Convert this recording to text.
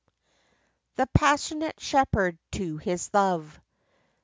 THE PASSIONATE SHEPHERD TO HIS LOVE.